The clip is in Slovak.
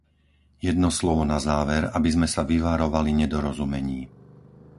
Jedno slovo na záver, aby sme sa vyvarovali nedorozumení.